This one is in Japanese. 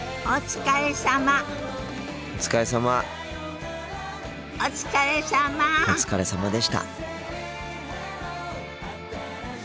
お疲れさま。